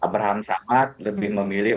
berhamsamat lebih memilih